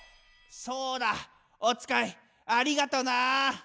そうだおつかいありがとな！